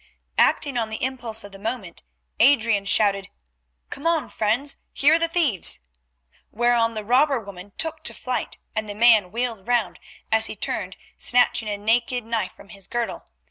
Acting on the impulse of the moment, Adrian shouted, "Come on, friends, here are the thieves," whereon the robber woman took to flight and the man wheeled round, as he turned snatching a naked knife from his girdle.